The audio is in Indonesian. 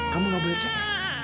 kamu gak boleh cek